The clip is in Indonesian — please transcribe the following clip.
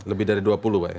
lebih dari dua puluh pak ya